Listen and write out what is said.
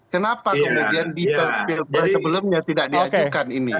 kenapa kemudian di pilpres sebelumnya tidak diajukan ini